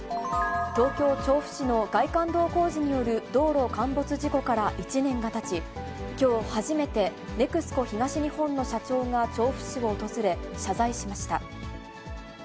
東京・調布市の外環道工事による道路陥没事故から１年がたち、きょう、初めてＮＥＸＣＯ東日本の社長が調布市を訪れ、謝罪しました。